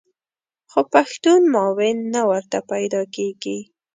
خو پښتون معاون نه ورته پیدا کېږي.